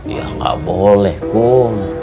ya gak boleh kum